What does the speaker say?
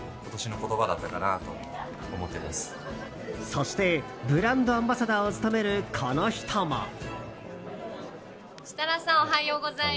そしてブランドアンバサダーを務めるこの人も。